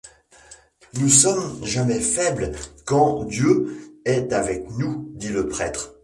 Nous ne sommes jamais faibles quand Dieu est avec nous, dit le prêtre.